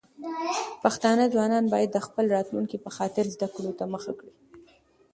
پښتانه ځوانان بايد د خپل راتلونکي په خاطر زده کړو ته مخه کړي.